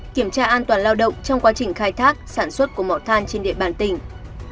kiểm tra an toàn lao động trong quá trình khai thác sản xuất của mỏ than trên địa bàn tỉnh